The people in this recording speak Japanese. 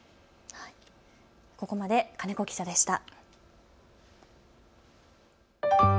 ここまで金子記者でした。